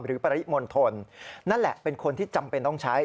ปริมณฑลนั่นแหละเป็นคนที่จำเป็นต้องใช้